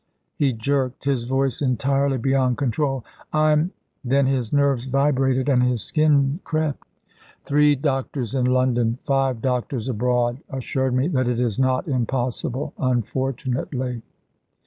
he jerked, his voice entirely beyond control. "Im " then his nerves vibrated and his skin crept. "Three doctors in London, five doctors abroad, assured me that it is not impossible unfortunately."